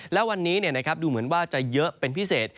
และวันนี้ดูเหมือนว่าจะเยอะเป็นพิเศษ